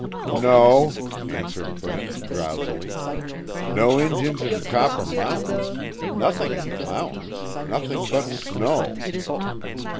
"No," answered Brent, drowsily, "No Injuns in Copper Mountains nothing in the mountains nothing but snow."